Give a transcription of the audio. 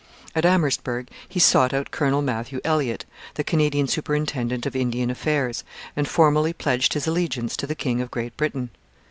At Amherstburg he sought out Colonel Matthew Elliott, the Canadian superintendent of Indian Affairs, and formally pledged his allegiance to the king of Great Britain.